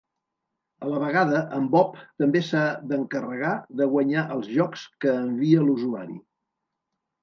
A la vegada, en Bob també s'ha d'encarregar de guanyar els jocs que envia l'usuari.